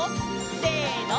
せの！